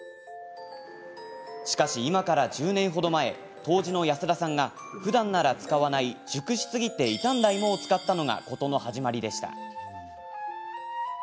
しかし今から１０年ほど前杜氏の安田さんがふだんなら使わない熟しすぎて傷んだ芋を使ったのが事の始まりでした。